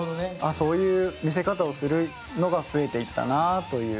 そういう見せ方をするのが増えていったなという。